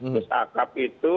bus akap itu